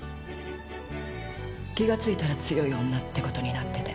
気が付いたら強い女ってことになってて。